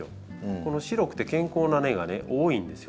この白くて健康な根が多いんですよ